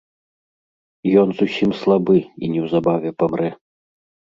Ён зусім слабы і неўзабаве памрэ.